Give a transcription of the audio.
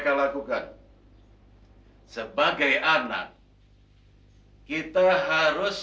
pak pur bisa kasih saran kita seperti itu